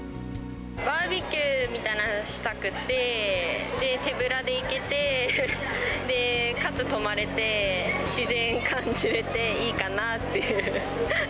バーベキューみたいなのしたくて、手ぶらで行けて、かつ泊まれて、自然感じれて、いいかなっていう。